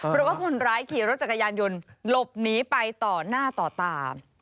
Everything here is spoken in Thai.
เพราะว่าคนร้ายขี่รถจักรยานยนต์หลบหนีไปต่อหน้าต่อตา